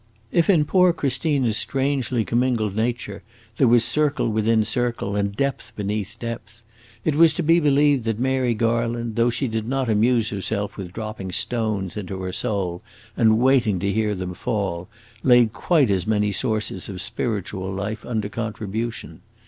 If in poor Christina's strangely commingled nature there was circle within circle, and depth beneath depth, it was to be believed that Mary Garland, though she did not amuse herself with dropping stones into her soul, and waiting to hear them fall, laid quite as many sources of spiritual life under contribution.